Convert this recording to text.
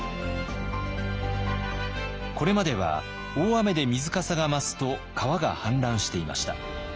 これまでは大雨で水かさが増すと川が氾濫していました。